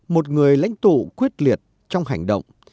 một người lãnh tụ quyết liệt trong hành động